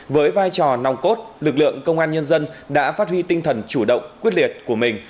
với vai trò nòng cốt lực lượng công an nhân dân đã phát huy tinh thần chủ động quyết liệt của mình